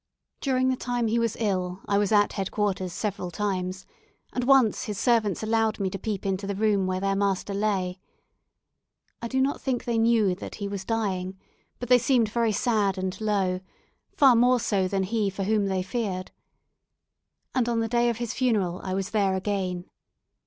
During the time he was ill I was at head quarters several times, and once his servants allowed me to peep into the room where their master lay. I do not think they knew that he was dying, but they seemed very sad and low far more so than he for whom they feared. And on the day of his funeral I was there again.